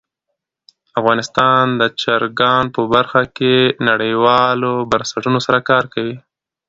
افغانستان د چرګان په برخه کې نړیوالو بنسټونو سره کار کوي.